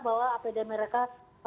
bahwa apd mereka